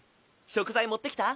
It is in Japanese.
食材持ってきた？